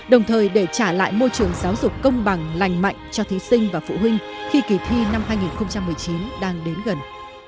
đồng thời để trả lại môi trường giáo dục công bằng lành mạnh cho thí sinh và phụ huynh khi kỳ thi năm hai nghìn một mươi chín đang đến gần